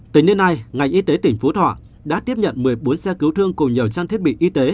tính đến nay ngành y tế tỉnh phú thọ đã tiếp nhận một mươi bốn xe cứu thương cùng nhiều trang thiết bị y tế